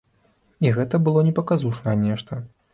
І гэта было не паказушнае нешта.